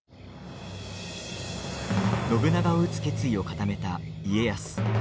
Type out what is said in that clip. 信長を討つ決意を固めた家康。